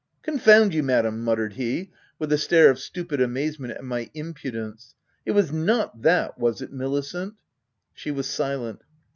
" Confound you, Madam !" muttered he, w r ith a stare of stupid amazement at my c im pudence/ "It was not that— was it Milicent 1" She was silent.